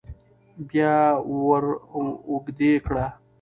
بيا وراوږدې کړه